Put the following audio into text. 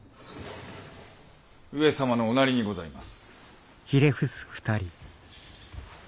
上様のおなりにございます。